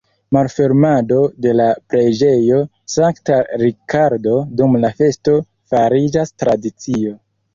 Malfermado de la preĝejo Sankta Rikardo dum la festo fariĝas tradicio.